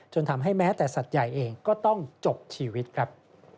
ทำให้แม้แต่สัตว์ใหญ่เองก็ต้องจบชีวิตครับ